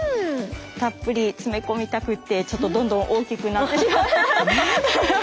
たっぷり詰め込みたくってちょっとどんどん大きくなってハハハッ！